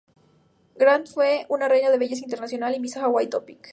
Grant fue una reina de belleza internacional y Miss Hawaiian Tropic.